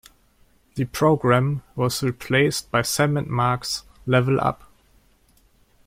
The programme was replaced by Sam and Mark's "Level Up".